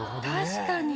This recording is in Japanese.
確かに。